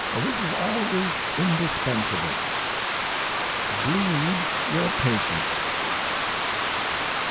This is always indispensable: Bleed your patient.